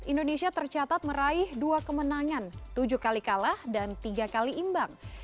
indonesia tercatat meraih dua kemenangan tujuh kali kalah dan tiga kali imbang